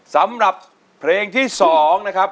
สำหรับเพลงที่๒นะครับ